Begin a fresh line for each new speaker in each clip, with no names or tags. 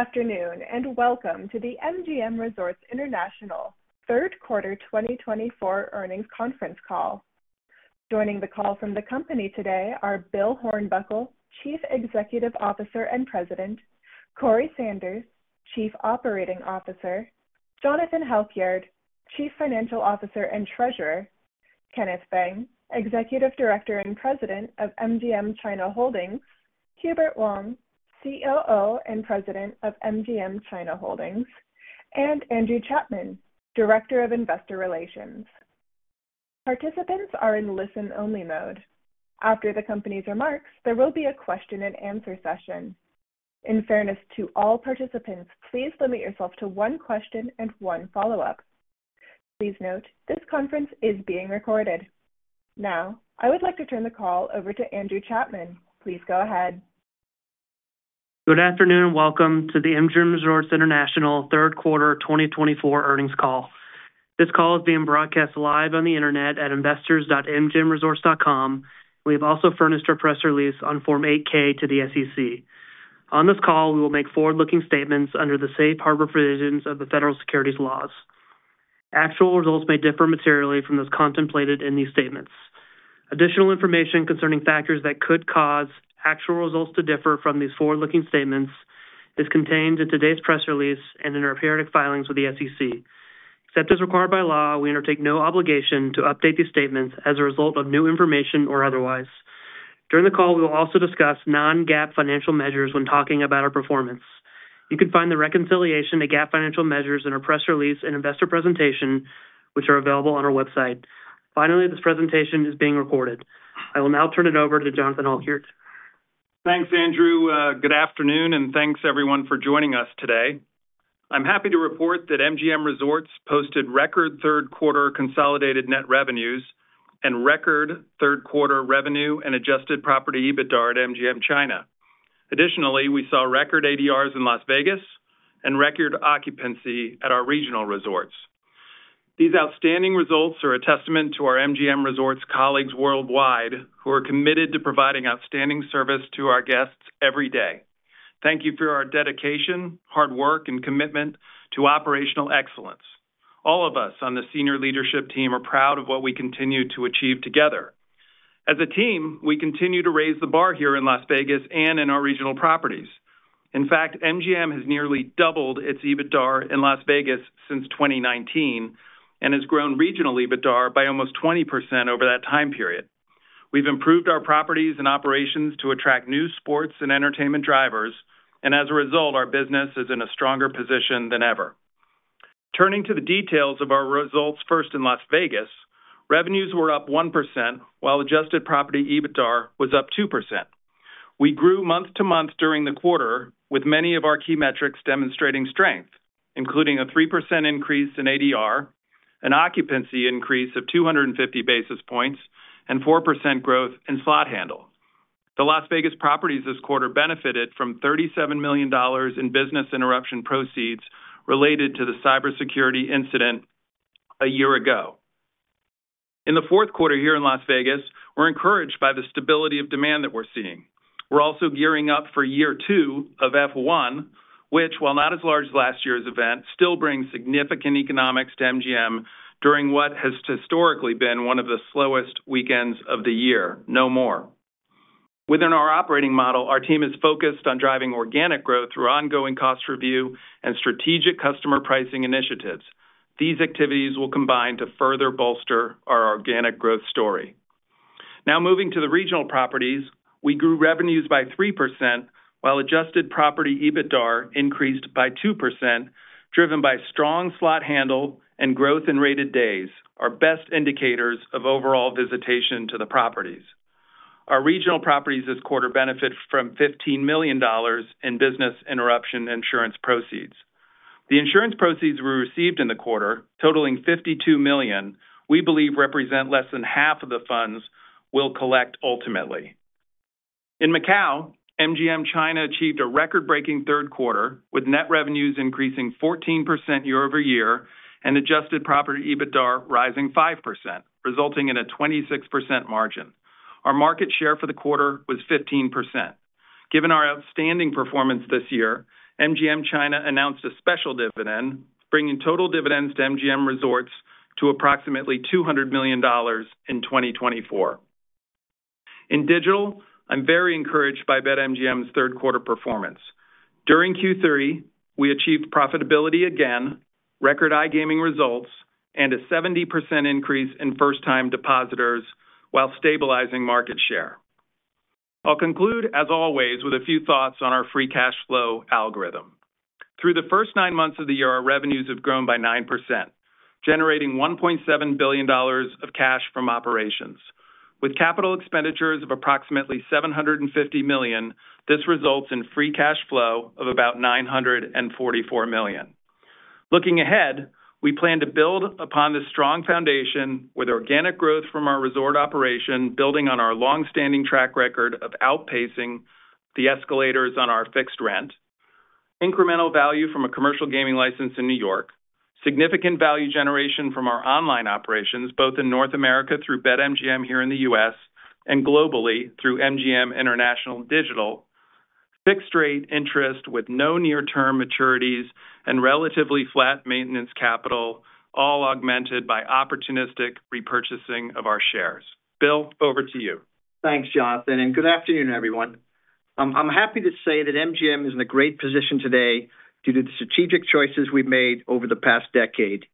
Good afternoon and welcome to the MGM Resorts International Third Quarter 2024 earnings conference call. Joining the call from the company today are Bill Hornbuckle, Chief Executive Officer and President; Corey Sanders, Chief Operating Officer; Jonathan Halkyard, Chief Financial Officer and Treasurer; Kenneth Feng, Executive Director and President of MGM China Holdings; Hubert Wang, COO and President of MGM China Holdings; and Andrew Chapman, Director of Investor Relations. Participants are in listen-only mode. After the company's remarks, there will be a question-and-answer session. In fairness to all participants, please limit yourself to one question and one follow-up. Please note this conference is being recorded. Now, I would like to turn the call over to Andrew Chapman. Please go ahead.
Good afternoon and welcome to the MGM Resorts International Third Quarter 2024 earnings call. This call is being broadcast live on the internet at investors.mgmresorts.com. We have also furnished our press release on Form 8-K to the SEC. On this call, we will make forward-looking statements under the safe harbor provisions of the federal securities laws. Actual results may differ materially from those contemplated in these statements. Additional information concerning factors that could cause actual results to differ from these forward-looking statements is contained in today's press release and in our periodic filings with the SEC. Except as required by law, we undertake no obligation to update these statements as a result of new information or otherwise. During the call, we will also discuss non-GAAP financial measures when talking about our performance. You can find the reconciliation to GAAP financial measures in our press release and investor presentation, which are available on our website. Finally, this presentation is being recorded. I will now turn it over to Jonathan Halkyard.
Thanks, Andrew. Good afternoon, and thanks everyone for joining us today. I'm happy to report that MGM Resorts posted record third quarter consolidated net revenues and record third quarter revenue and Adjusted Property EBITDA at MGM China. Additionally, we saw record ADRs in Las Vegas and record occupancy at our regional resorts. These outstanding results are a testament to our MGM Resorts colleagues worldwide who are committed to providing outstanding service to our guests every day. Thank you for our dedication, hard work, and commitment to operational excellence. All of us on the senior leadership team are proud of what we continue to achieve together. As a team, we continue to raise the bar here in Las Vegas and in our regional properties. In fact, MGM has nearly doubled its EBITDA in Las Vegas since 2019 and has grown regional EBITDA by almost 20% over that time period. We've improved our properties and operations to attract new sports and entertainment drivers, and as a result, our business is in a stronger position than ever. Turning to the details of our results first in Las Vegas, revenues were up 1% while adjusted property EBITDA was up 2%. We grew month to month during the quarter, with many of our key metrics demonstrating strength, including a 3% increase in ADR, an occupancy increase of 250 basis points, and 4% growth in slot handle. The Las Vegas properties this quarter benefited from $37 million in business interruption proceeds related to the cybersecurity incident a year ago. In the fourth quarter here in Las Vegas, we're encouraged by the stability of demand that we're seeing. We're also gearing up for year two of F1, which, while not as large as last year's event, still brings significant economics to MGM during what has historically been one of the slowest weekends of the year, no more. Within our operating model, our team is focused on driving organic growth through ongoing cost review and strategic customer pricing initiatives. These activities will combine to further bolster our organic growth story. Now, moving to the regional properties, we grew revenues by 3% while Adjusted Property EBITDA increased by 2%, driven by strong slot handle and growth in rated days, our best indicators of overall visitation to the properties. Our regional properties this quarter benefited from $15 million in business interruption insurance proceeds. The insurance proceeds we received in the quarter, totaling $52 million, we believe represent less than half of the funds we'll collect ultimately. In Macau, MGM China achieved a record-breaking third quarter, with net revenues increasing 14% year-over-year and adjusted property EBITDA rising 5%, resulting in a 26% margin. Our market share for the quarter was 15%. Given our outstanding performance this year, MGM China announced a special dividend, bringing total dividends to MGM Resorts to approximately $200 million in 2024. In digital, I'm very encouraged by BetMGM's third quarter performance. During Q3, we achieved profitability again, record iGaming results, and a 70% increase in first-time depositors while stabilizing market share. I'll conclude, as always, with a few thoughts on our free cash flow algorithm. Through the first nine months of the year, our revenues have grown by 9%, generating $1.7 billion of cash from operations. With capital expenditures of approximately $750 million, this results in free cash flow of about $944 million. Looking ahead, we plan to build upon this strong foundation with organic growth from our resort operation, building on our long-standing track record of outpacing the escalators on our fixed rent, incremental value from a commercial gaming license in New York, significant value generation from our online operations, both in North America through BetMGM here in the U.S. and globally through MGM International Digital, fixed-rate interest with no near-term maturities, and relatively flat maintenance capital, all augmented by opportunistic repurchasing of our shares. Bill, over to you.
Thanks, Jonathan, and good afternoon, everyone. I'm happy to say that MGM is in a great position today due to the strategic choices we've made over the past decade.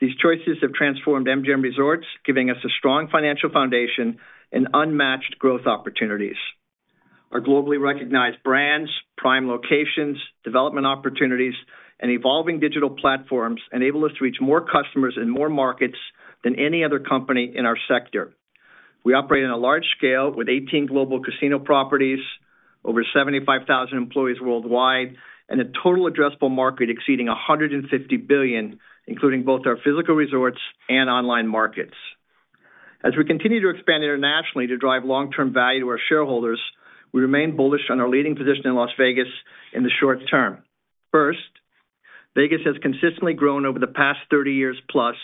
These choices have transformed MGM Resorts, giving us a strong financial foundation and unmatched growth opportunities. Our globally recognized brands, prime locations, development opportunities, and evolving digital platforms enable us to reach more customers in more markets than any other company in our sector. We operate on a large scale with 18 global casino properties, over 75,000 employees worldwide, and a total addressable market exceeding $150 billion, including both our physical resorts and online markets. As we continue to expand internationally to drive long-term value to our shareholders, we remain bullish on our leading position in Las Vegas in the short term. First, Vegas has consistently grown over the past 30 years plus,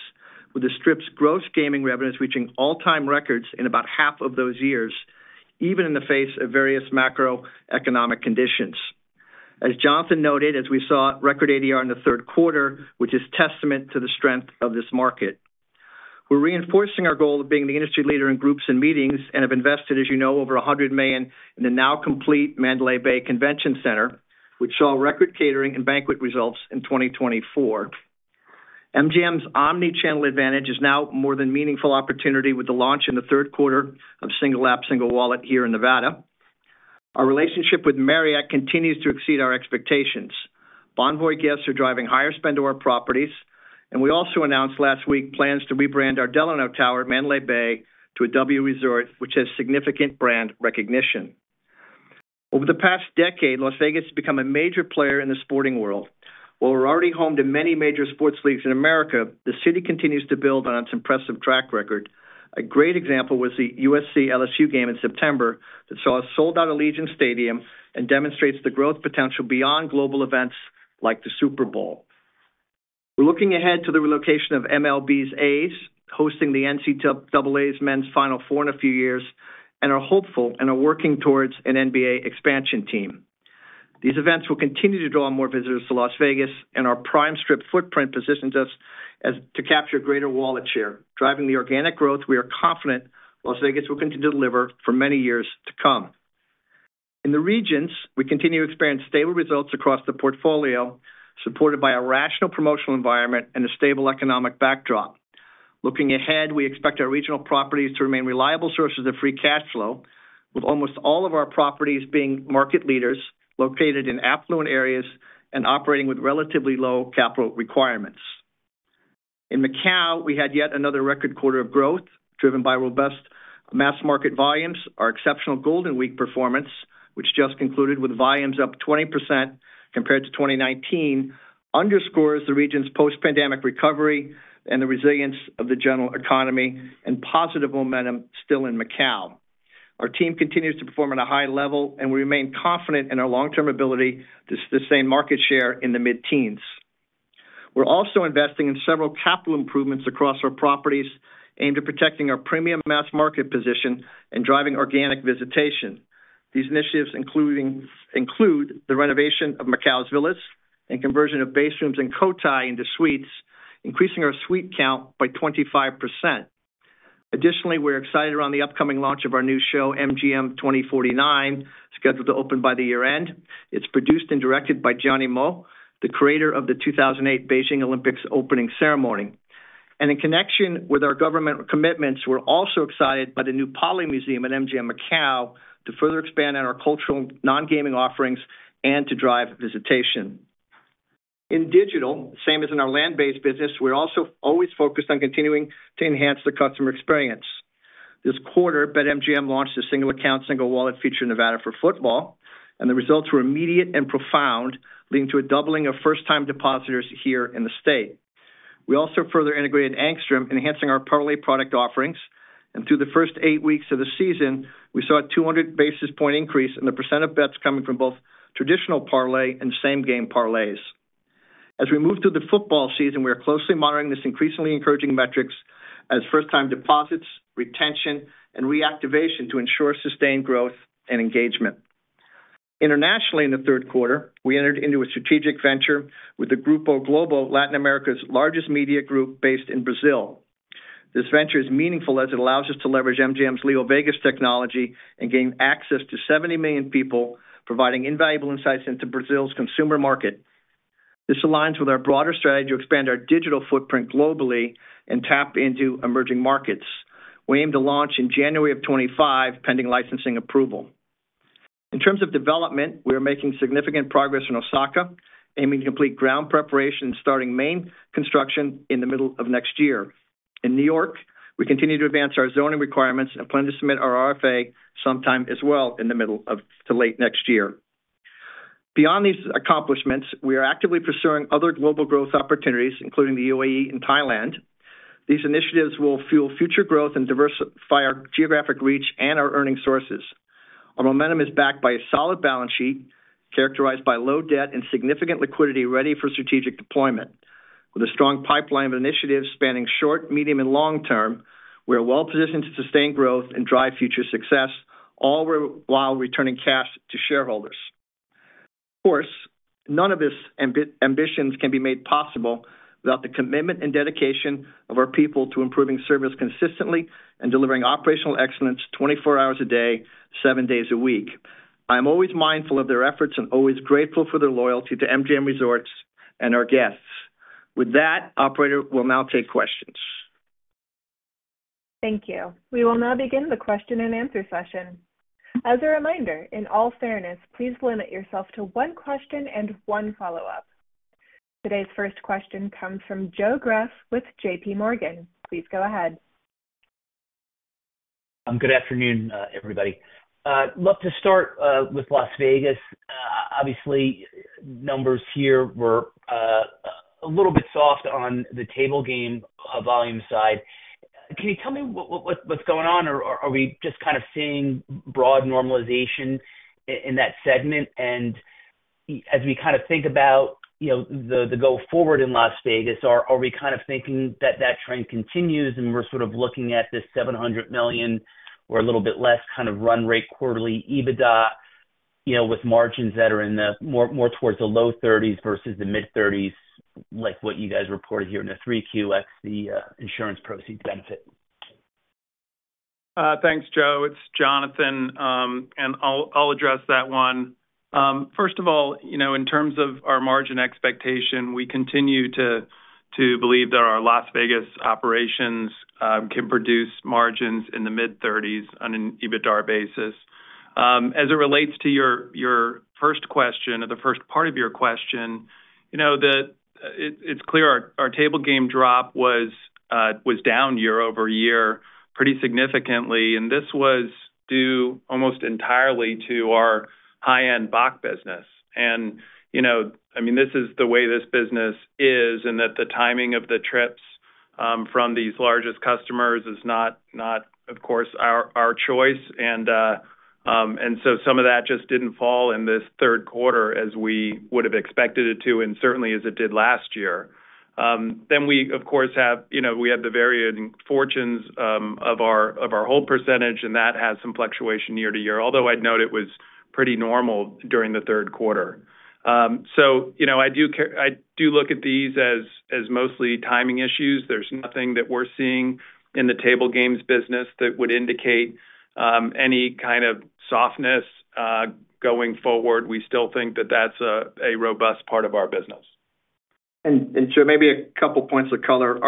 with the Strip's gross gaming revenues reaching all-time records in about half of those years, even in the face of various macroeconomic conditions. As Jonathan noted, as we saw record ADR in the third quarter, which is testament to the strength of this market. We're reinforcing our goal of being the industry leader in groups and meetings and have invested, as you know, over $100 million in the now-complete Mandalay Bay Convention Center, which saw record catering and banquet results in 2024. MGM's omnichannel advantage is now more than meaningful opportunity with the launch in the third quarter of Single App, Single Wallet here in Nevada. Our relationship with Marriott continues to exceed our expectations. Bonvoy guests are driving higher spend to our properties, and we also announced last week plans to rebrand our Delano Tower at Mandalay Bay to a W Resort, which has significant brand recognition. Over the past decade, Las Vegas has become a major player in the sporting world. While we're already home to many major sports leagues in America, the city continues to build on its impressive track record. A great example was the USC LSU game in September that saw us sold out Allegiant Stadium and demonstrates the growth potential beyond global events like the Super Bowl. We're looking ahead to the relocation of MLB's A's, hosting the NCAA's Men's Final Four in a few years, and are hopeful and are working towards an NBA expansion team. These events will continue to draw more visitors to Las Vegas, and our prime Strip footprint positions us to capture greater wallet share, driving the organic growth we are confident Las Vegas will continue to deliver for many years to come. In the regions, we continue to experience stable results across the portfolio, supported by a rational promotional environment and a stable economic backdrop. Looking ahead, we expect our regional properties to remain reliable sources of free cash flow, with almost all of our properties being market leaders located in affluent areas and operating with relatively low capital requirements. In Macau, we had yet another record quarter of growth, driven by robust mass market volumes. Our exceptional Golden Week performance, which just concluded with volumes up 20% compared to 2019, underscores the region's post-pandemic recovery and the resilience of the general economy and positive momentum still in Macau. Our team continues to perform at a high level, and we remain confident in our long-term ability to sustain market share in the mid-teens. We're also investing in several capital improvements across our properties aimed at protecting our premium mass market position and driving organic visitation. These initiatives include the renovation of Macau's Villas and conversion of basement rooms at Cotai into suites, increasing our suite count by 25%. Additionally, we're excited around the upcoming launch of our new show, MGM 2049, scheduled to open by the year end. It's produced and directed by Zhang Yimou, the creator of the 2008 Beijing Olympics opening ceremony, and in connection with our government commitments, we're also excited by the new Poly Museum at MGM Macau to further expand on our cultural non-gaming offerings and to drive visitation. In digital, same as in our land-based business, we're also always focused on continuing to enhance the customer experience. This quarter, BetMGM launched a Single Account, Single Wallet feature in Nevada for football, and the results were immediate and profound, leading to a doubling of first-time depositors here in the state. We also further integrated Angstrom, enhancing our parlay product offerings, and through the first eight weeks of the season, we saw a 200 basis points increase in the percent of bets coming from both traditional parlay and same-game parlays. As we move through the football season, we are closely monitoring these increasingly encouraging metrics as first-time deposits, retention, and reactivation to ensure sustained growth and engagement. Internationally, in the third quarter, we entered into a strategic venture with the Grupo Globo, Latin America's largest media group based in Brazil. This venture is meaningful as it allows us to leverage MGM's LeoVegas technology and gain access to 70 million people, providing invaluable insights into Brazil's consumer market. This aligns with our broader strategy to expand our digital footprint globally and tap into emerging markets. We aim to launch in January of 2025, pending licensing approval. In terms of development, we are making significant progress in Osaka, aiming to complete ground preparation and starting main construction in the middle of next year. In New York, we continue to advance our zoning requirements and plan to submit our RFA sometime as well in the middle of to late next year. Beyond these accomplishments, we are actively pursuing other global growth opportunities, including the UAE and Thailand. These initiatives will fuel future growth and diversify our geographic reach and our earning sources. Our momentum is backed by a solid balance sheet characterized by low debt and significant liquidity ready for strategic deployment. With a strong pipeline of initiatives spanning short, medium, and long term, we are well positioned to sustain growth and drive future success, all while returning cash to shareholders. Of course, none of these ambitions can be made possible without the commitment and dedication of our people to improving service consistently and delivering operational excellence 24 hours a day, seven days a week. I am always mindful of their efforts and always grateful for their loyalty to MGM Resorts and our guests. With that, Operator will now take questions.
Thank you. We will now begin the question and answer session. As a reminder, in all fairness, please limit yourself to one question and one follow-up. Today's first question comes from Joe Greff with JPMorgan. Please go ahead.
Good afternoon, everybody. I'd love to start with Las Vegas. Obviously, numbers here were a little bit soft on the table game volume side. Can you tell me what's going on? Are we just kind of seeing broad normalization in that segment? And as we kind of think about the go forward in Las Vegas, are we kind of thinking that that trend continues and we're sort of looking at this $700 million or a little bit less kind of run rate quarterly EBITDA with margins that are in the more towards the low 30s% versus the mid-30s%, like what you guys reported here in the 3Q, that's the insurance proceeds benefit?
Thanks, Joe. It's Jonathan, and I'll address that one. First of all, in terms of our margin expectation, we continue to believe that our Las Vegas operations can produce margins in the mid-30s% on an EBITDA basis. As it relates to your first question or the first part of your question, it's clear our table game drop was down year-over-year pretty significantly, and this was due almost entirely to our high-end box business. And I mean, this is the way this business is and that the timing of the trips from these largest customers is not, of course, our choice. And so some of that just didn't fall in this third quarter as we would have expected it to, and certainly as it did last year. Then we, of course, have the varying fortunes of our hold percentage, and that has some fluctuation year to year, although I'd note it was pretty normal during the third quarter. So I do look at these as mostly timing issues. There's nothing that we're seeing in the table games business that would indicate any kind of softness going forward. We still think that that's a robust part of our business.
Joe, maybe a couple of points of color.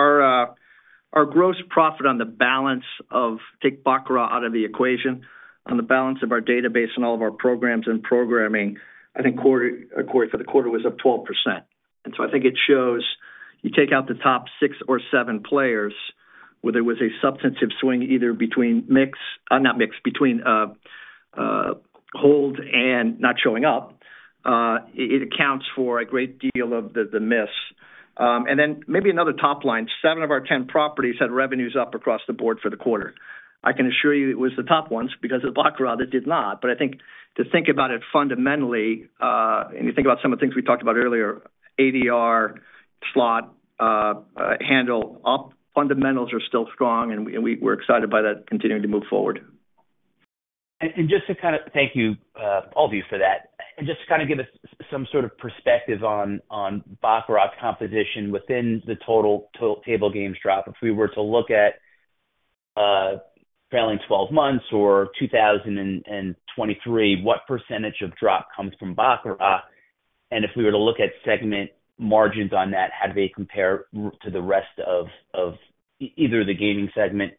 Our gross profit on the balance of take baccarat out of the equation, on the balance of our database and all of our programs and programming, I think quarter for the quarter was up 12%. And so I think it shows you take out the top six or seven players, whether it was a substantive swing either between mix not mix, between hold and not showing up, it accounts for a great deal of the miss. And then maybe another top line, seven of our 10 properties had revenues up across the board for the quarter. I can assure you it was the top ones because of baccarat that did not. But I think, to think about it fundamentally, and you think about some of the things we talked about earlier, ADR, slot handle up, fundamentals are still strong, and we're excited by that continuing to move forward.
Just to kind of thank you all of you for that, and just to kind of give us some sort of perspective on baccarat composition within the total table games drop, if we were to look at trailing 12 months or 2023, what percentage of drop comes from baccarat? And if we were to look at segment margins on that, how do they compare to the rest of either the gaming segment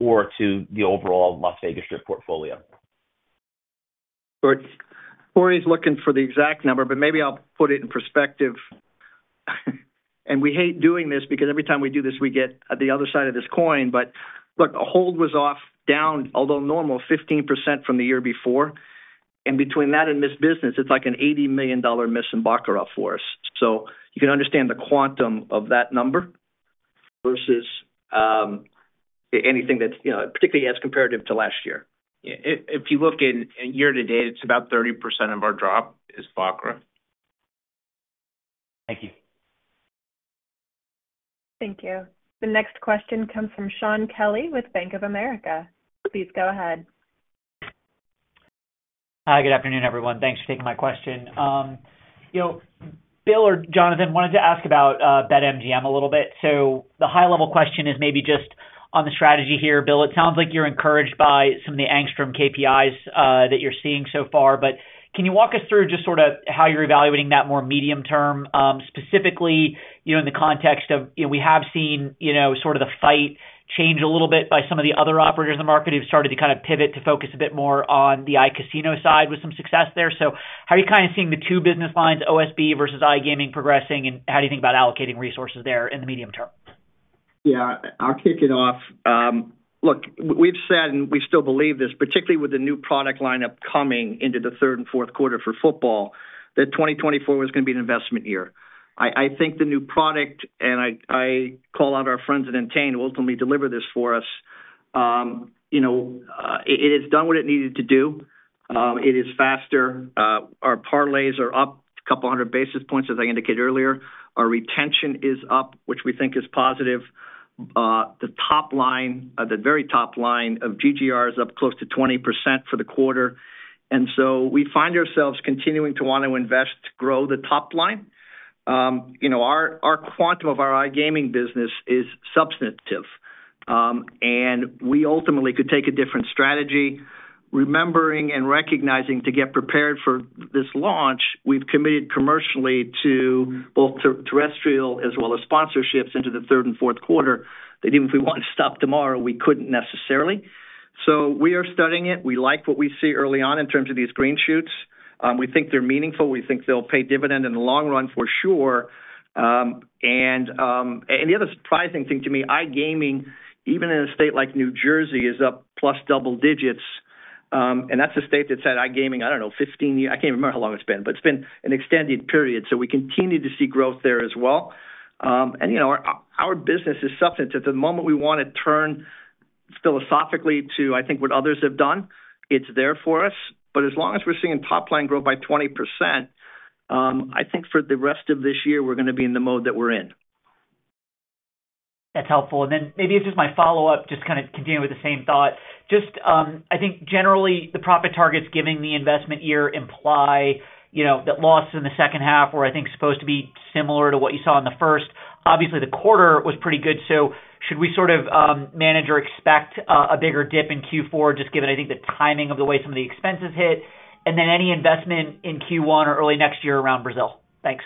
or to the overall Las Vegas Strip portfolio?
Corey's looking for the exact number, but maybe I'll put it in perspective, and we hate doing this because every time we do this, we get the other side of this coin. But look, a hold was off down, although normal, 15% from the year before, and between that and this business, it's like an $80 million miss in baccarat for us. So you can understand the quantum of that number versus anything that's particularly as comparative to last year.
If you look year-to-date, it's about 30% of our drop is baccarat.
Thank you.
Thank you. The next question comes from Shaun Kelley with Bank of America. Please go ahead.
Hi, good afternoon, everyone. Thanks for taking my question. Bill or Jonathan wanted to ask about BetMGM a little bit. So the high-level question is maybe just on the strategy here. Bill, it sounds like you're encouraged by some of the Angstrom KPIs that you're seeing so far, but can you walk us through just sort of how you're evaluating that more medium term, specifically in the context of we have seen sort of the fight change a little bit by some of the other operators in the market who've started to kind of pivot to focus a bit more on the iCasino side with some success there? So how are you kind of seeing the two business lines, OSB versus iGaming, progressing, and how do you think about allocating resources there in the medium term?
Yeah, I'll kick it off. Look, we've said, and we still believe this, particularly with the new product lineup coming into the third and fourth quarter for football, that 2024 was going to be an investment year. I think the new product, and I call out our friends at Entain, will ultimately deliver this for us. It has done what it needed to do. It is faster. Our parlays are up a couple hundred basis points, as I indicated earlier. Our retention is up, which we think is positive. The top line, the very top line of GGR is up close to 20% for the quarter. And so we find ourselves continuing to want to invest, grow the top line. Our quantum of our iGaming business is substantive, and we ultimately could take a different strategy. Remembering and recognizing to get prepared for this launch, we've committed commercially to both terrestrial as well as sponsorships into the third and fourth quarter that even if we want to stop tomorrow, we couldn't necessarily. So we are studying it. We like what we see early on in terms of these green shoots. We think they're meaningful. We think they'll pay dividend in the long run for sure. And the other surprising thing to me, iGaming, even in a state like New Jersey, is up plus double digits. And that's a state that's had iGaming, I don't know, 15 years. I can't remember how long it's been, but it's been an extended period. So we continue to see growth there as well. And our business is substantive. The moment we want to turn philosophically to, I think, what others have done, it's there for us. But as long as we're seeing top line growth by 20%, I think for the rest of this year, we're going to be in the mode that we're in.
That's helpful. And then maybe it's just my follow-up, just kind of continuing with the same thought. Just, I think, generally the profit targets, given the investment year, imply that losses in the second half were, I think, supposed to be similar to what you saw in the first. Obviously, the quarter was pretty good. So should we sort of manage or expect a bigger dip in Q4 just given, I think, the timing of the way some of the expenses hit? And then any investment in Q1 or early next year around Brazil? Thanks.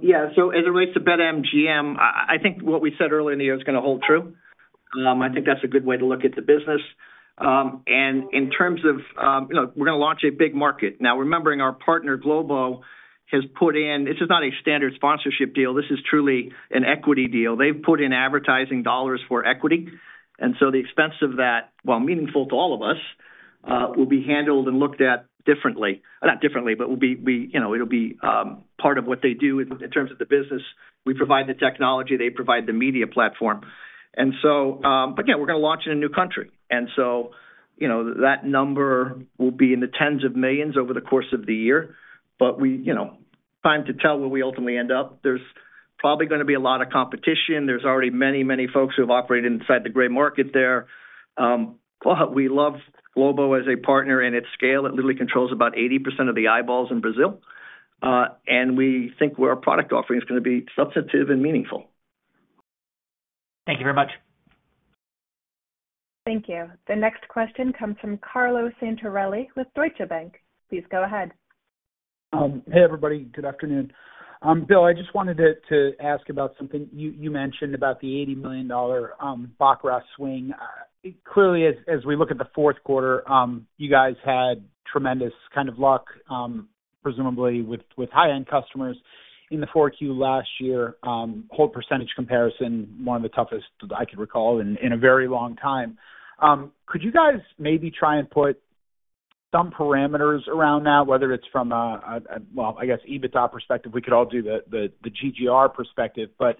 Yeah. So as it relates to BetMGM, I think what we said earlier in the year is going to hold true. I think that's a good way to look at the business. And in terms of we're going to launch a big market. Now, remembering our partner Globo has put in, this is not a standard sponsorship deal. This is truly an equity deal. They've put in advertising dollars for equity. And so the expense of that, while meaningful to all of us, will be handled and looked at differently. Not differently, but it'll be part of what they do in terms of the business. We provide the technology. They provide the media platform. And so, but yeah, we're going to launch in a new country. And so that number will be in the tens of millions over the course of the year. But it's time to tell where we ultimately end up. There's probably going to be a lot of competition. There's already many, many folks who have operated inside the gray market there. We love Globo as a partner and its scale. It literally controls about 80% of the eyeballs in Brazil, and we think our product offering is going to be substantive and meaningful.
Thank you very much.
Thank you. The next question comes from Carlo Santorelli with Deutsche Bank. Please go ahead.
Hey, everybody. Good afternoon. Bill, I just wanted to ask about something you mentioned about the $80 million baccarat swing. Clearly, as we look at the fourth quarter, you guys had tremendous kind of luck, presumably with high-end customers in the 4Q last year. Hold percentage comparison, one of the toughest I could recall in a very long time. Could you guys maybe try and put some parameters around that, whether it's from a, well, I guess EBITDA perspective? We could all do the GGR perspective, but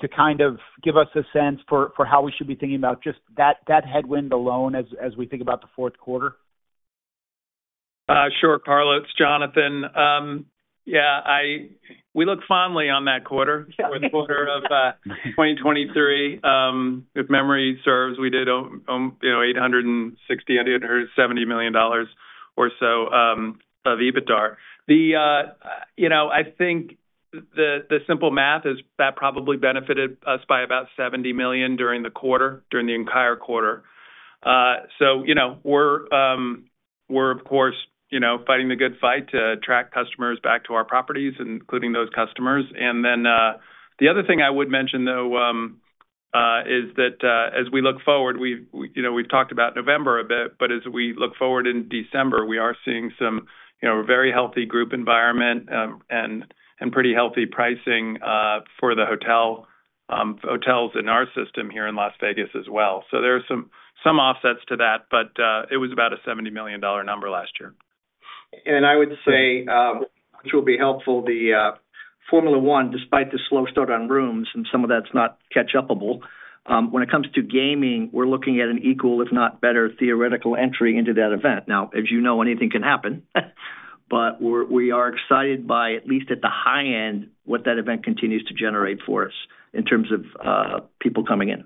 to kind of give us a sense for how we should be thinking about just that headwind alone as we think about the fourth quarter?
Sure, Carlo. It's Jonathan. Yeah, we look fondly on that quarter, fourth quarter of 2023. If memory serves, we did $860-$870 million or so of EBITDA. I think the simple math is that probably benefited us by about $70 million during the quarter, during the entire quarter. So we're, of course, fighting the good fight to attract customers back to our properties, including those customers. And then the other thing I would mention, though, is that as we look forward, we've talked about November a bit, but as we look forward in December, we are seeing some very healthy group environment and pretty healthy pricing for the hotels in our system here in Las Vegas as well. So there are some offsets to that, but it was about a $70 million number last year.
I would say, which will be helpful, the Formula One, despite the slow start on rooms and some of that's not catch-up-able, when it comes to gaming, we're looking at an equal, if not better, theoretical entry into that event. Now, as you know, anything can happen, but we are excited by, at least at the high end, what that event continues to generate for us in terms of people coming in.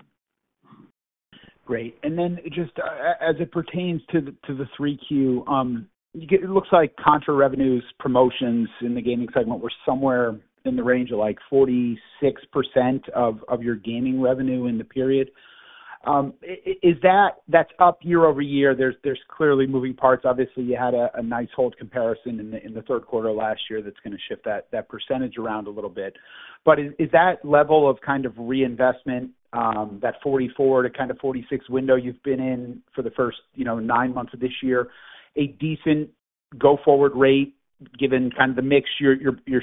Great. And then just as it pertains to the 3Q, it looks like contra revenues, promotions in the gaming segment were somewhere in the range of like 46% of your gaming revenue in the period. That's up year-over-year. There's clearly moving parts. Obviously, you had a nice hold comparison in the third quarter last year that's going to shift that percentage around a little bit. But is that level of kind of reinvestment, that 44% to kind of 46% window you've been in for the first nine months of this year, a decent go-forward rate given kind of the mix you're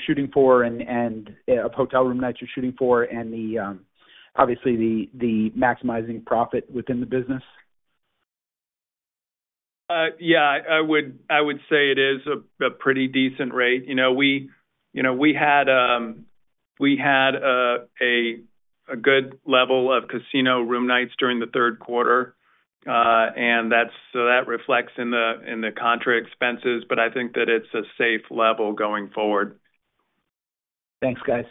shooting for and of hotel room nights you're shooting for and obviously the maximizing profit within the business?
Yeah, I would say it is a pretty decent rate. We had a good level of casino room nights during the third quarter, and that reflects in the contra expenses, but I think that it's a safe level going forward.
Thanks, guys.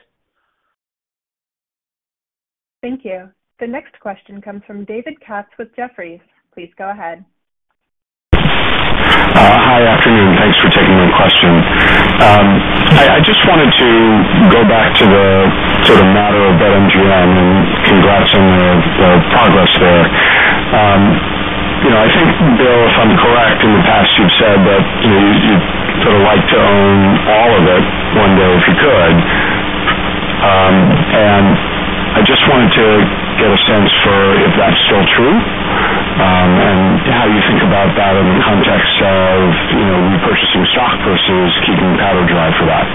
Thank you. The next question comes from David Katz with Jefferies. Please go ahead.
Good afternoon. Thanks for taking my question. I just wanted to go back to the sort of matter of BetMGM and congrats on the progress there. I think, Bill, if I'm correct, in the past you've said that you'd sort of like to own all of it one day if you could, and I just wanted to get a sense for if that's still true and how you think about that in the context of repurchasing stock versus keeping powder dry for that.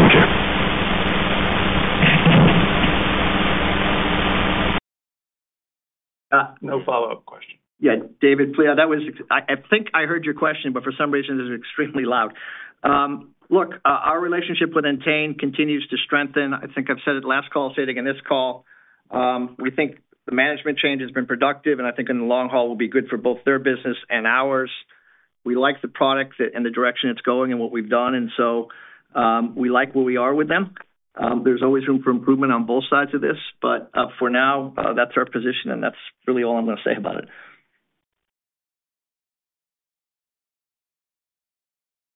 Thank you. No follow-up question.
Yeah, David, please. I think I heard your question, but for some reason, it's extremely loud. Look, our relationship with Entain continues to strengthen. I think I've said it last call, say it again this call. We think the management change has been productive, and I think in the long haul will be good for both their business and ours. We like the product and the direction it's going and what we've done. And so we like where we are with them. There's always room for improvement on both sides of this, but for now, that's our position, and that's really all I'm going to say about it.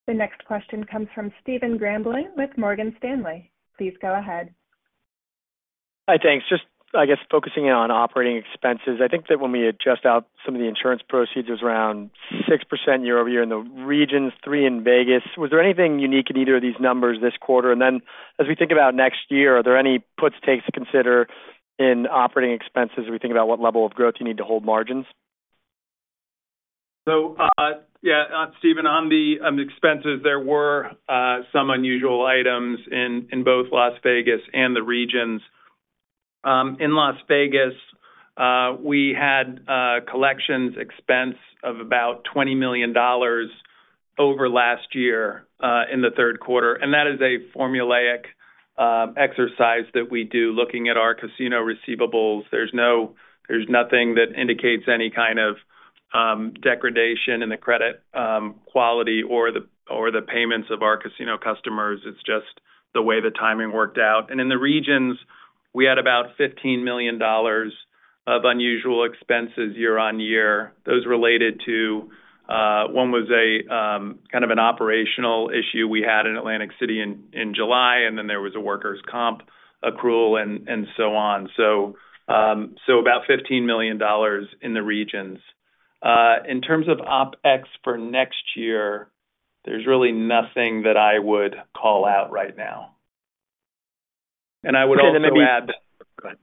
The next question comes from Stephen Grambling with Morgan Stanley. Please go ahead.
Hi, thanks. Just, I guess, focusing in on operating expenses. I think that when we adjust out some of the insurance proceeds around 6% year-over-year in the regions, 3% in Vegas. Was there anything unique in either of these numbers this quarter? And then as we think about next year, are there any puts, takes to consider in operating expenses as we think about what level of growth you need to hold margins?
So yeah, Stephen, on the expenses, there were some unusual items in both Las Vegas and the regions. In Las Vegas, we had collections expense of about $20 million over last year in the third quarter. And that is a formulaic exercise that we do looking at our casino receivables. There's nothing that indicates any kind of degradation in the credit quality or the payments of our casino customers. It's just the way the timing worked out. And in the regions, we had about $15 million of unusual expenses year-on-year. Those related to one was kind of an operational issue we had in Atlantic City in July, and then there was a workers' comp accrual and so on. So about $15 million in the regions. In terms of OpEx for next year, there's really nothing that I would call out right now. And I would also add.
Stephen, maybe.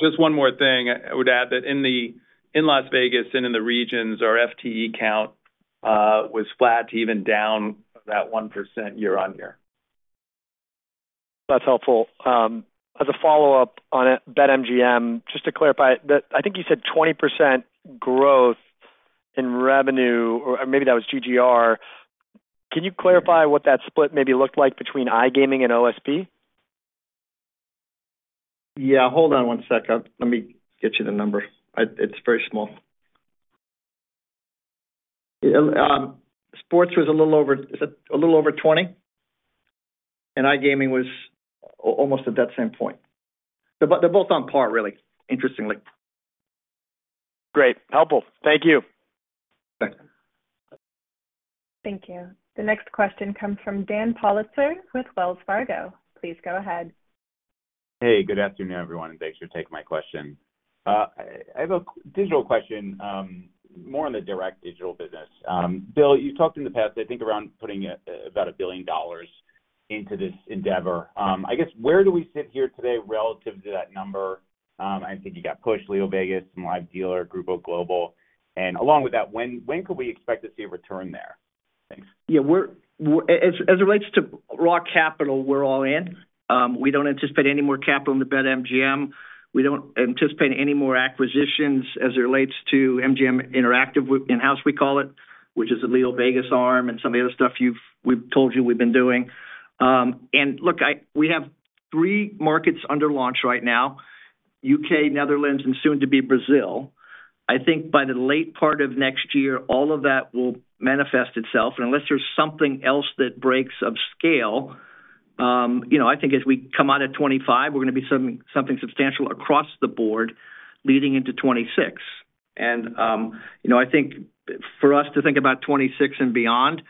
Just one more thing. I would add that in Las Vegas and in the regions, our FTE count was flat to even down about 1% year-on-year.
That's helpful. As a follow-up on BetMGM, just to clarify, I think you said 20% growth in revenue, or maybe that was GGR. Can you clarify what that split maybe looked like between iGaming and OSB?
Yeah, hold on one second. Let me get you the number. It's very small. Sports was a little over 20, and iGaming was almost at that same point. They're both on par, really, interestingly.
Great. Helpful. Thank you.
Thank you. The next question comes from Dan Politzer with Wells Fargo. Please go ahead.
Hey, good afternoon, everyone, and thanks for taking my question. I have a digital question more on the direct digital business. Bill, you've talked in the past, I think, around putting about $1 billion into this endeavor. I guess, where do we sit here today relative to that number? I think you acquired LeoVegas, some live dealer, Grupo Globo. And along with that, when can we expect to see a return there? Thanks.
Yeah. As it relates to raw capital, we're all in. We don't anticipate any more capital in the BetMGM. We don't anticipate any more acquisitions as it relates to MGM Interactive, in-house we call it, which is a LeoVegas arm and some of the other stuff we've told you we've been doing. And look, we have three markets under launch right now: UK, Netherlands, and soon to be Brazil. I think by the late part of next year, all of that will manifest itself. And unless there's something else that breaks of scale, I think as we come out at 2025, we're going to be something substantial across the board leading into 2026. I think for us to think about 2026 and beyond,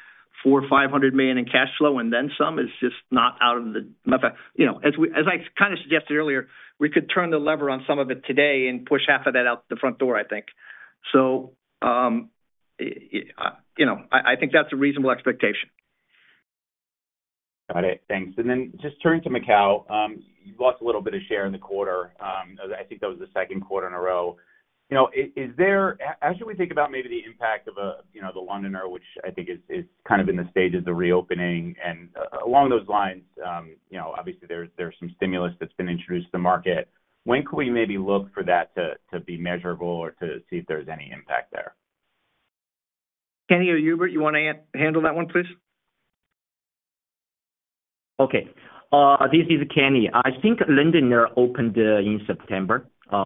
$400 million-$500 million in cash flow and then some is just not out of the question, as I kind of suggested earlier. We could turn the lever on some of it today and push half of that out the front door, I think. So I think that's a reasonable expectation.
Got it. Thanks. And then just turning to Macau, you lost a little bit of share in the quarter. I think that was the second quarter in a row. As we think about maybe the impact of the Londoner, which I think is kind of in the stages of reopening and along those lines, obviously, there's some stimulus that's been introduced to the market. When can we maybe look for that to be measurable or to see if there's any impact there?
Kenneth or Hubert, you want to handle that one, please?
Okay. This is Kenny. I think Londoner opened in September. As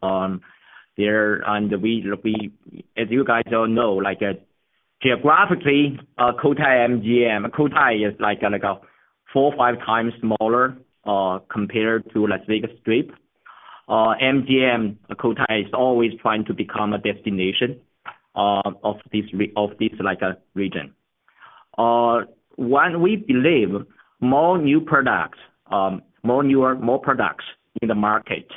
you guys all know, geographically, MGM Cotai is like four or five times smaller compared to Las Vegas Strip. MGM Cotai is always trying to become a destination of this region. We believe more new products, more products in the market,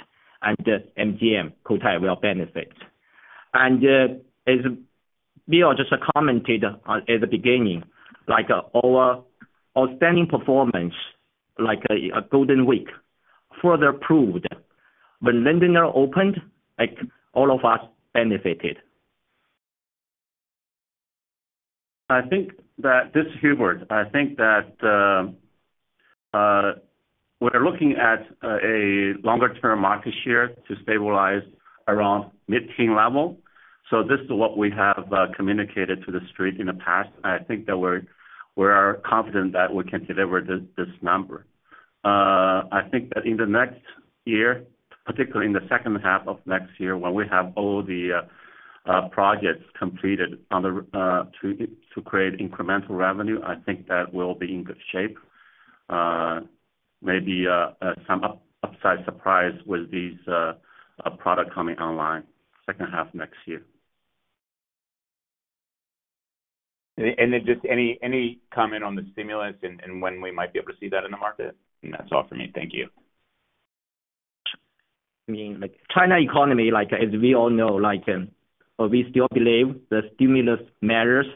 and MGM Cotai will benefit. As Bill just commented at the beginning, our outstanding performance, like Golden Week, further proved when Londoner opened, all of us benefited.
I think that this is Hubert. I think that we're looking at a longer-term market share to stabilize around mid-teen level. So this is what we have communicated to the street in the past. I think that we're confident that we can deliver this number. I think that in the next year, particularly in the second half of next year, when we have all the projects completed to create incremental revenue, I think that we'll be in good shape. Maybe some upside surprise with these products coming online second half next year.
And then just any comment on the stimulus and when we might be able to see that in the market? That's all for me. Thank you.
the Chinese economy, as we all know, we still believe the stimulus measures,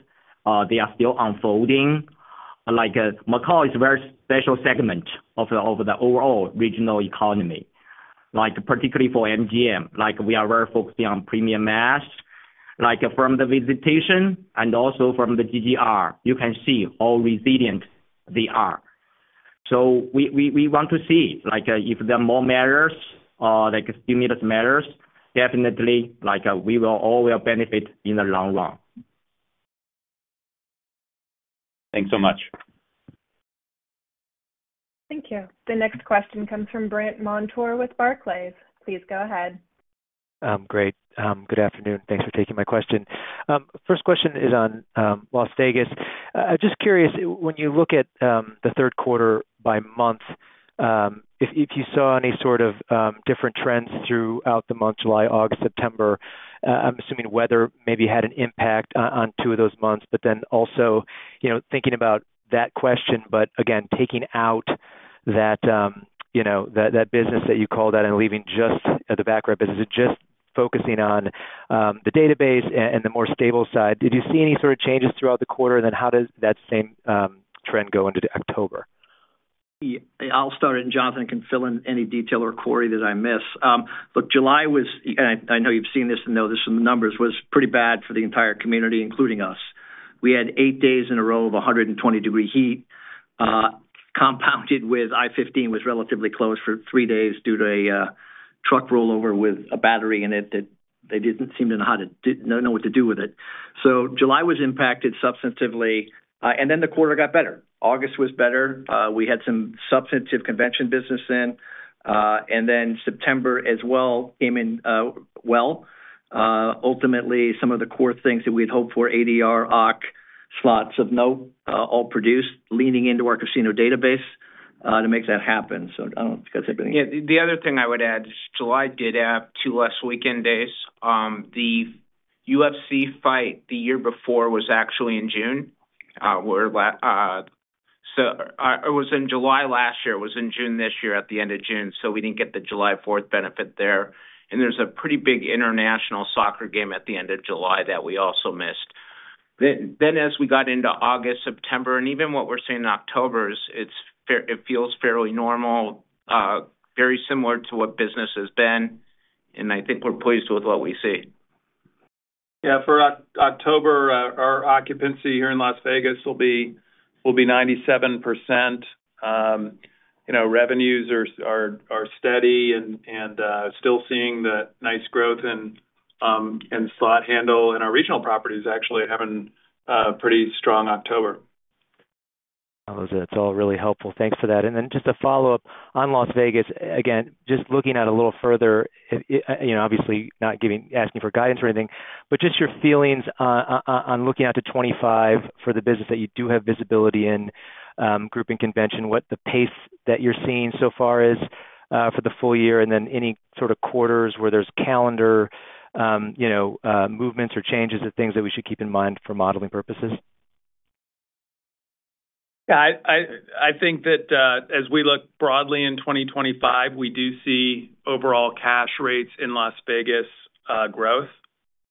they are still unfolding. Macau is a very special segment of the overall regional economy, particularly for MGM. We are very focused on premium mass, from the visitation and also from the GGR, you can see how resilient they are, so we want to see if there are more measures, stimulus measures, definitely we will all benefit in the long run.
Thanks so much.
Thank you. The next question comes from Brandt Montour with Barclays. Please go ahead.
Great. Good afternoon. Thanks for taking my question. First question is on Las Vegas. I'm just curious, when you look at the third quarter by month, if you saw any sort of different trends throughout the month, July, August, September. I'm assuming weather maybe had an impact on two of those months, but then also thinking about that question, but again, taking out that business that you called out and leaving just the base business, just focusing on the base and the more stable side. Did you see any sort of changes throughout the quarter, and then how did that same trend go into October?
I'll start, and Jonathan can fill in any detail or Corey that I miss. Look, July was, and I know you've seen this and know this from the numbers, was pretty bad for the entire community, including us. We had eight days in a row of 120 degrees Fahrenheit heat, compounded with I-15 was relatively closed for three days due to a truck rollover with a battery, and they didn't seem to know what to do with it. So July was impacted substantively, and then the quarter got better. August was better. We had some substantive convention business then. And then September as well came in well. Ultimately, some of the core things that we had hoped for, ADR, OC, slots of note, all produced leaning into our casino database to make that happen. So I don't know if you guys have anything.
Yeah. The other thing I would add is July did have two less weekend days. The UFC fight the year before was actually in June. So it was in July last year. It was in June this year at the end of June, so we didn't get the July 4th benefit there. And there's a pretty big international soccer game at the end of July that we also missed. Then as we got into August, September, and even what we're seeing in October, it feels fairly normal, very similar to what business has been. And I think we're pleased with what we see.
Yeah. For October, our occupancy here in Las Vegas will be 97%. Revenues are steady and still seeing the nice growth in slot handle and our regional properties actually having a pretty strong October.
That's all really helpful. Thanks for that. And then just a follow-up on Las Vegas. Again, just looking a little further, obviously not asking for guidance or anything, but just your feelings on looking out to 2025 for the business that you do have visibility in group and convention, what the pace that you're seeing so far is for the full year, and then any sort of quarters where there's calendar movements or changes of things that we should keep in mind for modeling purposes.
Yeah. I think that as we look broadly in 2025, we do see overall cash rates in Las Vegas growth.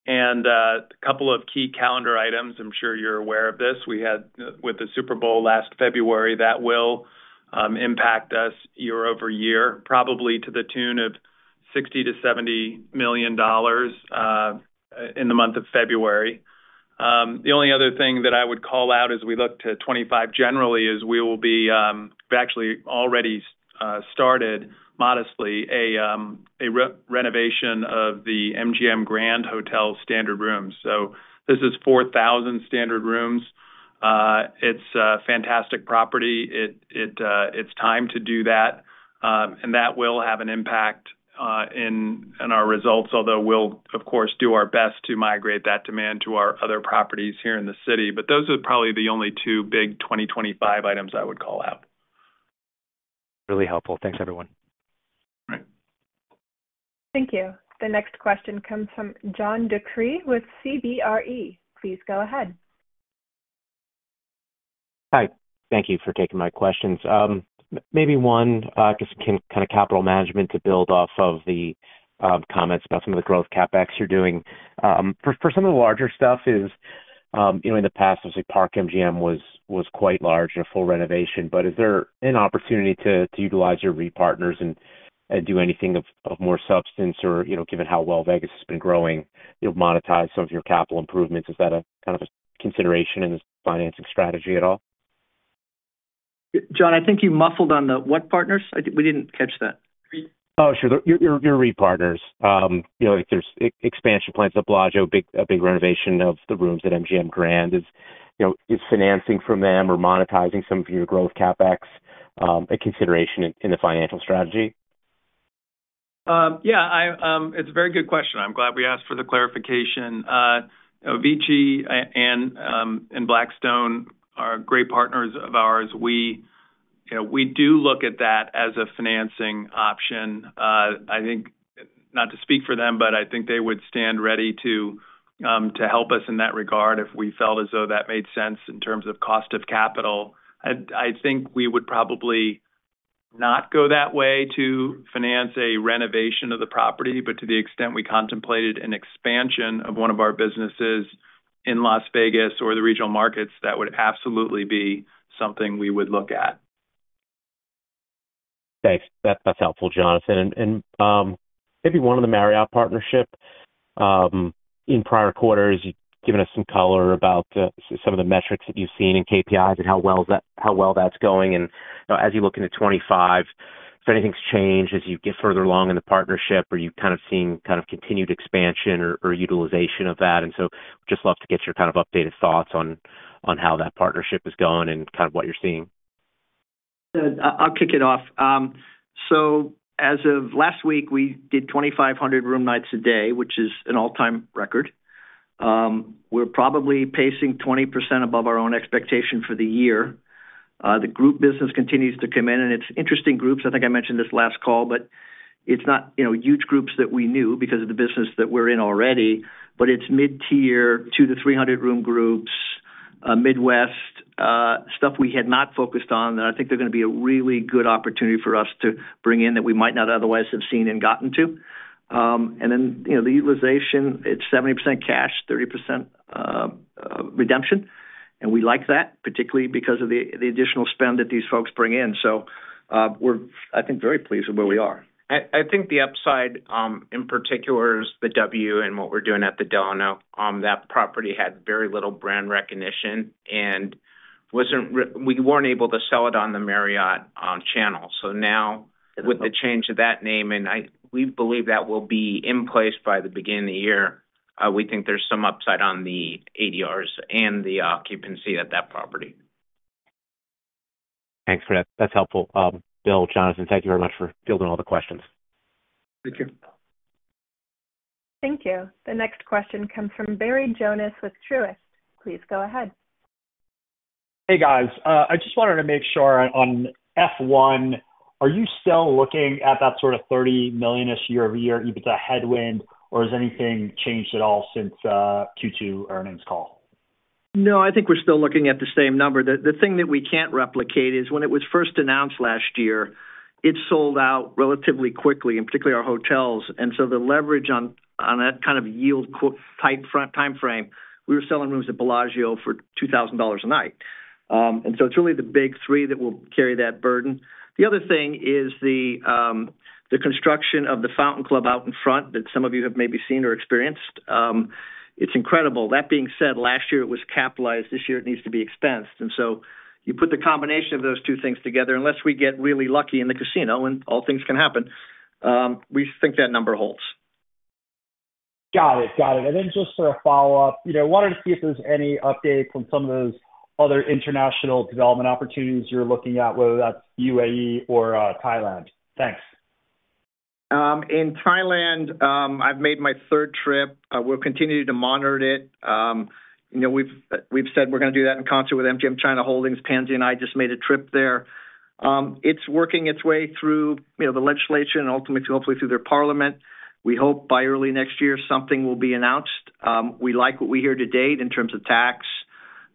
And a couple of key calendar items, I'm sure you're aware of this. We had with the Super Bowl last February, that will impact us year-over-year, probably to the tune of $60-$70 million in the month of February. The only other thing that I would call out as we look to 2025 generally is we've actually already started modestly a renovation of the MGM Grand Hotel standard rooms. So this is 4,000 standard rooms. It's a fantastic property. It's time to do that. And that will have an impact in our results, although we'll, of course, do our best to migrate that demand to our other properties here in the city. But those are probably the only two big 2025 items I would call out.
Really helpful. Thanks, everyone.
All right.
Thank you. The next question comes from John DeCree with CBRE. Please go ahead.
Hi. Thank you for taking my questions. Maybe one just kind of capital management to build off of the comments about some of the growth CapEx you're doing. For some of the larger stuff, in the past, obviously, Park MGM was quite large and a full renovation. But is there an opportunity to utilize your REIT partners and do anything of more substance, or given how well Vegas has been growing, monetize some of your capital improvements? Is that kind of a consideration in the financing strategy at all?
John, I think you muffled on the what partners? We didn't catch that.
Oh, sure. Your partners. If there's expansion plans at Bellagio, a big renovation of the rooms at MGM Grand, is financing from them or monetizing some of your growth CapEx a consideration in the financial strategy?
Yeah. It's a very good question. I'm glad we asked for the clarification. VICI and Blackstone are great partners of ours. We do look at that as a financing option. I think not to speak for them, but I think they would stand ready to help us in that regard if we felt as though that made sense in terms of cost of capital. I think we would probably not go that way to finance a renovation of the property, but to the extent we contemplated an expansion of one of our businesses in Las Vegas or the regional markets, that would absolutely be something we would look at.
Thanks. That's helpful, Jonathan. And maybe one of the Marriott partnership in prior quarters given us some color about some of the metrics that you've seen in KPIs and how well that's going. And as you look into 2025, if anything's changed as you get further along in the partnership, are you kind of seeing kind of continued expansion or utilization of that? And so we'd just love to get your kind of updated thoughts on how that partnership is going and kind of what you're seeing.
I'll kick it off. So as of last week, we did 2,500 room nights a day, which is an all-time record. We're probably pacing 20% above our own expectation for the year. The group business continues to come in, and it's interesting groups. I think I mentioned this last call, but it's not huge groups that we knew because of the business that we're in already, but it's mid-tier, two to three hundred room groups, Midwest, stuff we had not focused on, and I think there's going to be a really good opportunity for us to bring in that we might not otherwise have seen and gotten to. And then the utilization, it's 70% cash, 30% redemption. And we like that, particularly because of the additional spend that these folks bring in. So we're, I think, very pleased with where we are.
I think the upside in particular is the W and what we're doing at the Delano. That property had very little brand recognition, and we weren't able to sell it on the Marriott channel. So now with the change of that name, and we believe that will be in place by the beginning of the year, we think there's some upside on the ADRs and the occupancy at that property.
Thanks for that. That's helpful. Bill, Jonathan, thank you very much for fielding all the questions.
Thank you.
Thank you. The next question comes from Barry Jonas with Truist. Please go ahead.
Hey, guys. I just wanted to make sure on F1, are you still looking at that sort of 30 million-ish year-over-year EBITDA headwind, or has anything changed at all since Q2 earnings call?
No, I think we're still looking at the same number. The thing that we can't replicate is when it was first announced last year, it sold out relatively quickly, and particularly our hotels. And so the leverage on that kind of yield-type timeframe, we were selling rooms at Bellagio for $2,000 a night. And so it's really the big three that will carry that burden. The other thing is the construction of the Fountain Club out in front that some of you have maybe seen or experienced. It's incredible. That being said, last year it was capitalized. This year it needs to be expensed. And so you put the combination of those two things together, unless we get really lucky in the casino and all things can happen, we think that number holds.
Got it. Got it. And then just for a follow-up, wanted to see if there's any updates on some of those other international development opportunities you're looking at, whether that's UAE or Thailand. Thanks.
In Thailand, I've made my third trip. We'll continue to monitor it. We've said we're going to do that in concert with MGM China Holdings. Pansy and I just made a trip there. It's working its way through the legislation and ultimately, hopefully, through their parliament. We hope by early next year something will be announced. We like what we hear to date in terms of tax.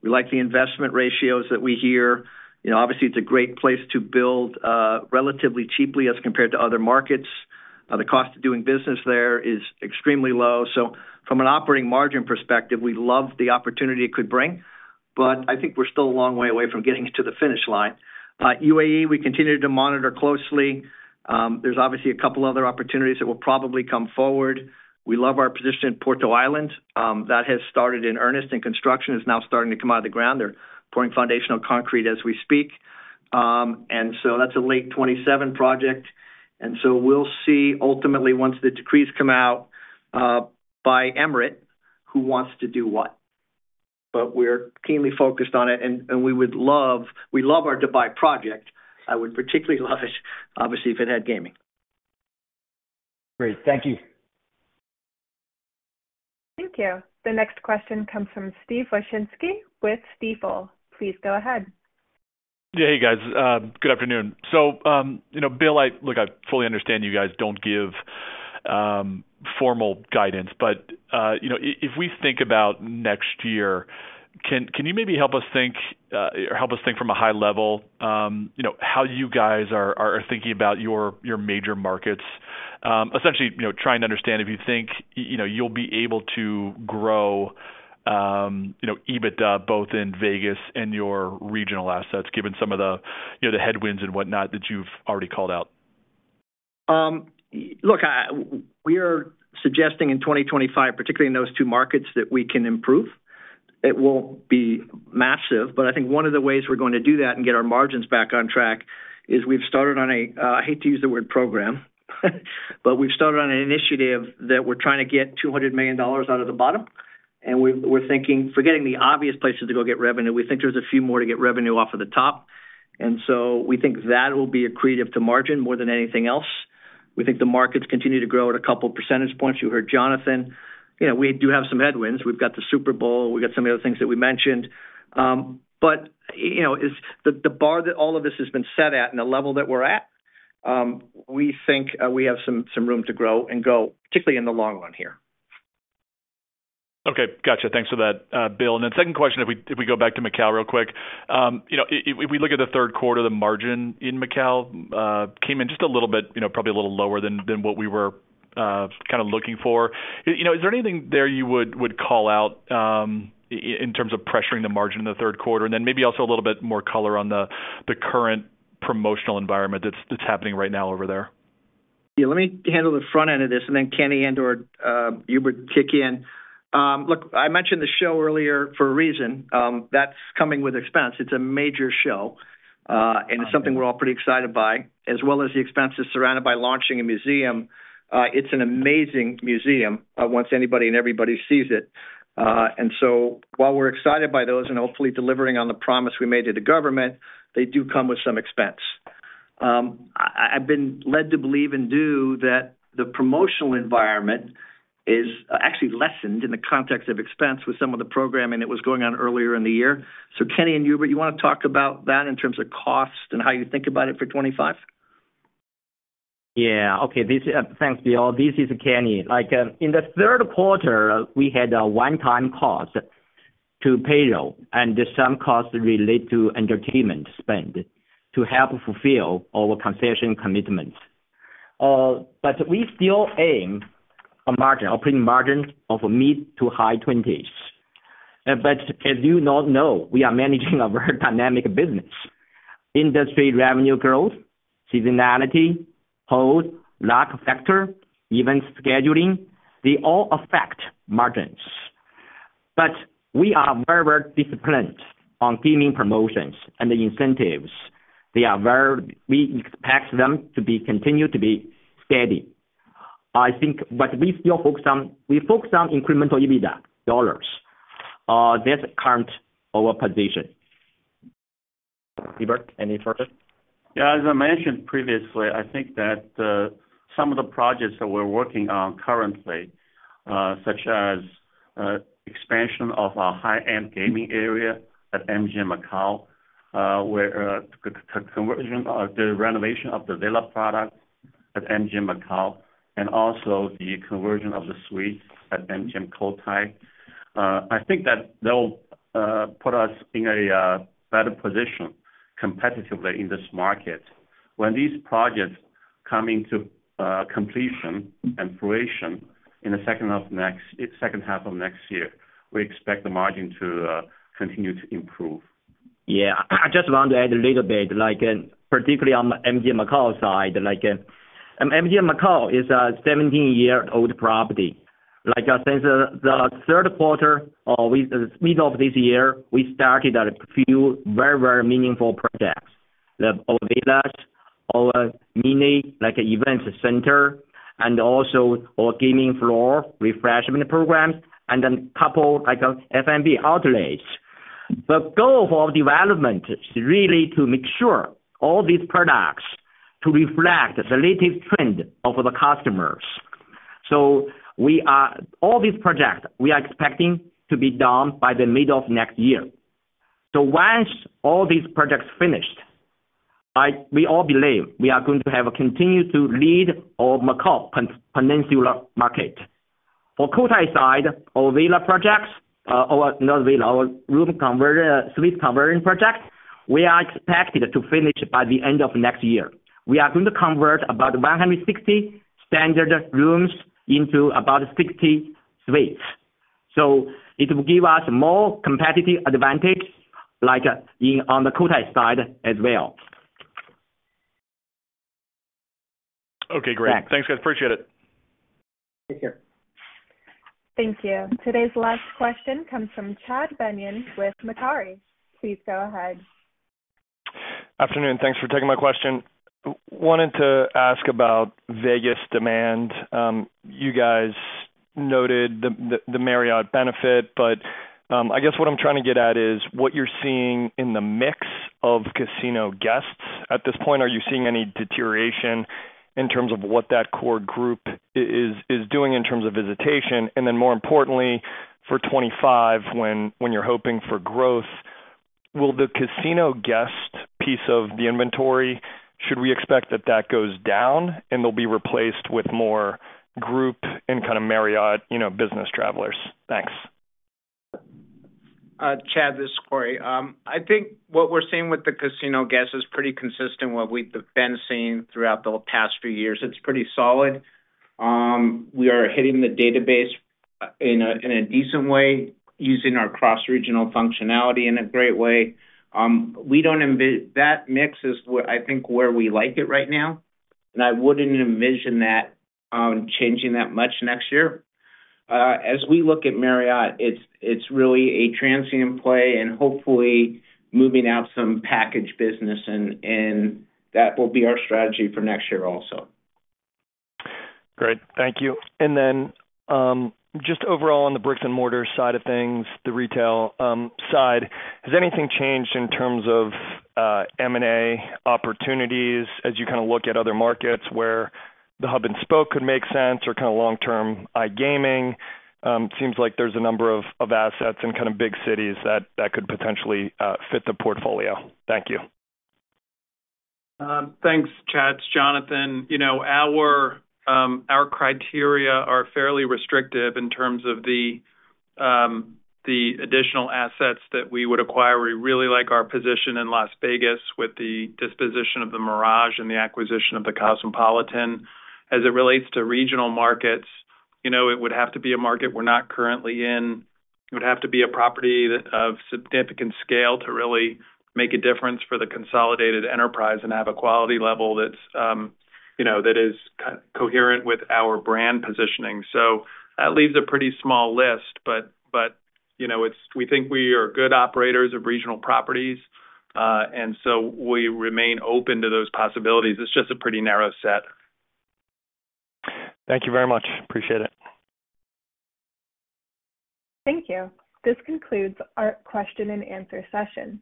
We like the investment ratios that we hear. Obviously, it's a great place to build relatively cheaply as compared to other markets. The cost of doing business there is extremely low. So from an operating margin perspective, we love the opportunity it could bring, but I think we're still a long way away from getting to the finish line. UAE, we continue to monitor closely. There's obviously a couple of other opportunities that will probably come forward. We love our position in The Island. That has started in earnest and construction is now starting to come out of the ground. They're pouring foundational concrete as we speak. And so that's a late 2027 project. And so we'll see ultimately once the decrees come out by emirate, who wants to do what. But we're keenly focused on it, and we love our Dubai project. I would particularly love it, obviously, if it had gaming.
Great. Thank you.
Thank you. The next question comes from Steve Wieczynski with Stifel. Please go ahead.
Yeah. Hey, guys. Good afternoon. So Bill, look, I fully understand you guys don't give formal guidance, but if we think about next year, can you maybe help us think from a high level how you guys are thinking about your major markets? Essentially, trying to understand if you think you'll be able to grow EBITDA both in Vegas and your regional assets, given some of the headwinds and whatnot that you've already called out.
Look, we are suggesting in 2025, particularly in those two markets, that we can improve. It won't be massive, but I think one of the ways we're going to do that and get our margins back on track is we've started on a, I hate to use the word program, but we've started on an initiative that we're trying to get $200 million out of the bottom. And we're thinking, forgetting the obvious places to go get revenue, we think there's a few more to get revenue off of the top. And so we think that will be a creative to margin more than anything else. We think the markets continue to grow at a couple of percentage points. You heard Jonathan. We do have some headwinds. We've got the Super Bowl. We've got some of the other things that we mentioned. But the bar that all of this has been set at and the level that we're at, we think we have some room to grow and go, particularly in the long run here.
Okay. Gotcha. Thanks for that, Bill. And then second question, if we go back to Macau real quick, if we look at the third quarter, the margin in Macau came in just a little bit, probably a little lower than what we were kind of looking for. Is there anything there you would call out in terms of pressuring the margin in the third quarter? And then maybe also a little bit more color on the current promotional environment that's happening right now over there.
Yeah. Let me handle the front end of this, and then Kenny and Hubert kick in. Look, I mentioned the show earlier for a reason. That's coming with expense. It's a major show, and it's something we're all pretty excited by, as well as the expenses surrounded by launching a museum. It's an amazing museum once anybody and everybody sees it. And so while we're excited by those and hopefully delivering on the promise we made to the government, they do come with some expense. I've been led to believe and do that the promotional environment is actually lessened in the context of expense with some of the programming that was going on earlier in the year. So Kenny and Hubert, you want to talk about that in terms of cost and how you think about it for 2025?
Yeah. Okay. Thanks, Bill. This is Kenny. In the third quarter, we had a one-time cost to payroll and some costs related to entertainment spend to help fulfill our concession commitments. But we still aim for margin, operating margin of mid- to high-20s%. But as you know, we are managing a very dynamic business. Industry revenue growth, seasonality, hold, luck factor, event scheduling, they all affect margins. But we are very, very disciplined on gaming promotions and the incentives. They are very. We expect them to continue to be steady. I think what we still focus on, we focus on incremental EBITDA dollars. That's core to our position. Hubert, any further?
Yeah. As I mentioned previously, I think that some of the projects that we're working on currently, such as expansion of our high-end gaming area at MGM Macau, the renovation of the Villa product at MGM Macau, and also the conversion of the suite at MGM Cotai, I think that they'll put us in a better position competitively in this market. When these projects come into completion and fruition in the second half of next year, we expect the margin to continue to improve.
Yeah. I just want to add a little bit, particularly on the MGM Macau side. MGM Macau is a 17-year-old property. Since the third quarter mid of this year, we started a few very, very meaningful projects: our villas, our mini event center, and also our gaming floor refreshment programs, and then a couple of F&B outlets. The goal for our development is really to make sure all these products reflect the latest trend of the customers. So all these projects, we are expecting to be done by the mid of next year. So once all these projects finished, we all believe we are going to continue to lead our Macau Peninsula market. For Cotai side, our Villa projects, our room conversion suite conversion projects, we are expected to finish by the end of next year. We are going to convert about 160 standard rooms into about 60 suites. So it will give us more competitive advantage on the Cotai side as well.
Okay. Great. Thanks, guys. Appreciate it.
Thank you. Today's last question comes from Chad Beynon with Macquarie. Please go ahead.
Afternoon. Thanks for taking my question. Wanted to ask about Vegas demand. You guys noted the Marriott benefit, but I guess what I'm trying to get at is what you're seeing in the mix of casino guests at this point. Are you seeing any deterioration in terms of what that core group is doing in terms of visitation? And then more importantly, for 2025, when you're hoping for growth, will the casino guest piece of the inventory, should we expect that that goes down and they'll be replaced with more group and kind of Marriott business travelers? Thanks.
Chad, this is Corey. I think what we're seeing with the casino guests is pretty consistent with what we've been seeing throughout the past few years. It's pretty solid. We are hitting the database in a decent way using our cross-regional functionality in a great way. That mix is, I think, where we like it right now, and I wouldn't envision changing that much next year. As we look at Marriott, it's really a transient play and hopefully moving out some package business, and that will be our strategy for next year also.
Great. Thank you. And then just overall on the bricks-and-mortar side of things, the retail side, has anything changed in terms of M&A opportunities as you kind of look at other markets where the hub and spoke could make sense or kind of long-term iGaming? It seems like there's a number of assets in kind of big cities that could potentially fit the portfolio. Thank you.
Thanks, Chad. Jonathan, our criteria are fairly restrictive in terms of the additional assets that we would acquire. We really like our position in Las Vegas with the disposition of the Mirage and the acquisition of the Cosmopolitan. As it relates to regional markets, it would have to be a market we're not currently in. It would have to be a property of significant scale to really make a difference for the consolidated enterprise and have a quality level that is coherent with our brand positioning. So that leaves a pretty small list, but we think we are good operators of regional properties, and so we remain open to those possibilities. It's just a pretty narrow set.
Thank you very much. Appreciate it.
Thank you. This concludes our question-and-answer session.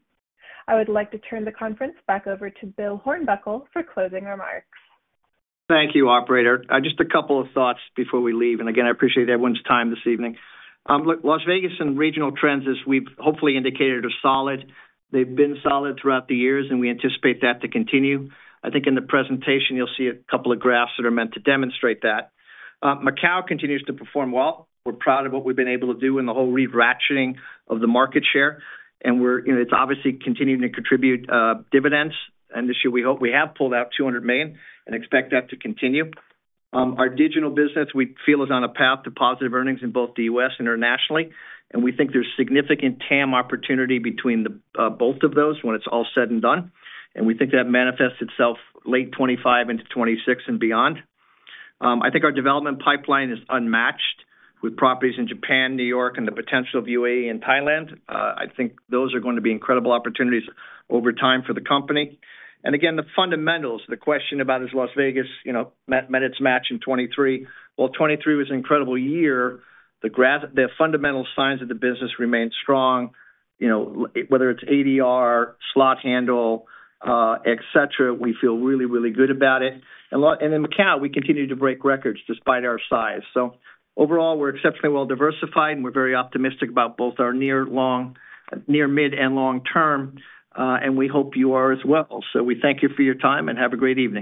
I would like to turn the conference back over to Bill Hornbuckle for closing remarks.
Thank you, Operator. Just a couple of thoughts before we leave, and again, I appreciate everyone's time this evening. Look, Las Vegas and regional trends, as we've hopefully indicated, are solid. They've been solid throughout the years, and we anticipate that to continue. I think in the presentation, you'll see a couple of graphs that are meant to demonstrate that. Macau continues to perform well. We're proud of what we've been able to do in the whole re-ratcheting of the market share, and it's obviously continuing to contribute dividends, and this year, we hope we have pulled out $200 million and expect that to continue. Our digital business, we feel, is on a path to positive earnings in both the U.S. and internationally, and we think there's significant TAM opportunity between both of those when it's all said and done. We think that manifests itself late 2025 into 2026 and beyond. I think our development pipeline is unmatched with properties in Japan, New York, and the potential of UAE and Thailand. I think those are going to be incredible opportunities over time for the company. Again, the fundamentals, the question about is Las Vegas met its match in 2023? While 2023 was an incredible year, the fundamental signs of the business remain strong. Whether it's ADR, slot handle, etc., we feel really, really good about it. And in Macau, we continue to break records despite our size. So overall, we're exceptionally well diversified, and we're very optimistic about both our near-mid and long term, and we hope you are as well. So we thank you for your time and have a great evening.